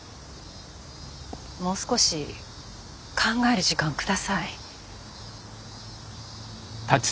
もう少し考える時間下さい。